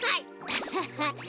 アハハ。